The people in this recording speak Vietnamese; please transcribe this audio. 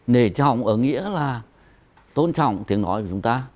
nể trọng ở nghĩa là tôn trọng tiếng nói của chúng ta